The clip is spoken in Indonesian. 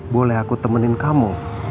boleh aku temenin kamu